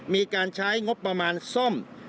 มีการใช้งบประมาณซ่อม